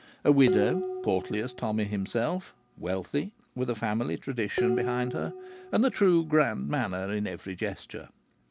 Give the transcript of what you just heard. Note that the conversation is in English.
A widow, portly as Tommy himself, wealthy, with a family tradition behind her, and the true grand manner in every gesture!